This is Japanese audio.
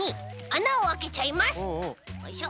よいしょ。